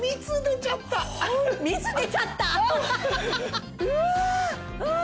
蜜出ちゃった。